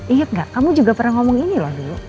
ingat gak kamu juga pernah ngomong ini loh dulu